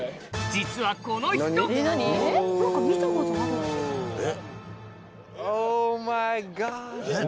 実はこの人え！